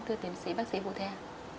thưa tiến sĩ bác sĩ phụ thea